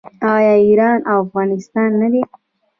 آیا ایران او افغانستان نه دي؟